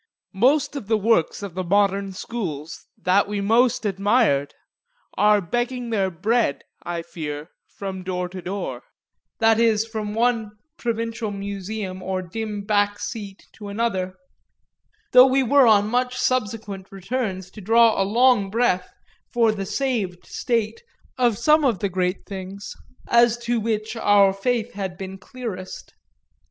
Most of the works of the modern schools that we most admired are begging their bread, I fear, from door to door that is from one provincial museum or dim back seat to another; though we were on much subsequent returns to draw a long breath for the saved state of some of the great things as to which our faith had been clearest.